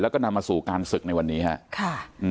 แล้วก็นำมาสู่การศึกในวันนี้ครับ